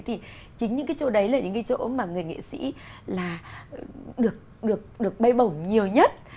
thì chính những cái chỗ đấy là những cái chỗ mà người nghệ sĩ là được bay bổng nhiều nhất